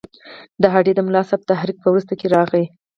د هډې د ملاصاحب تحریک په وروسته کې راغی.